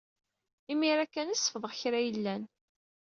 Imir-a kan ay sefḍeɣ krayellan.